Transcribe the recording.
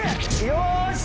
よし。